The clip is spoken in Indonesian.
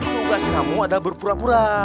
tugas kamu adalah berpura pura